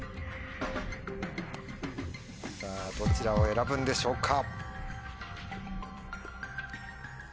さぁどちらを選ぶんでしょうか？